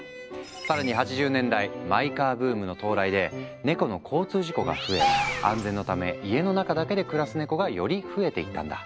更に８０年代マイカーブームの到来でネコの交通事故が増え安全のため家の中だけで暮らすネコがより増えていったんだ。